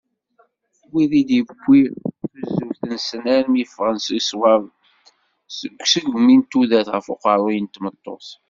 Wid i tewwi tuzzuft-nsen armi ffɣen seg sswab d usegmi n tudert ɣef uqerruy n tmeṭṭut.